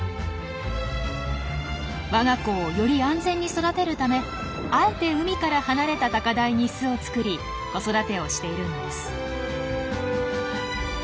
我が子をより安全に育てるためあえて海から離れた高台に巣を作り子育てをしているんです。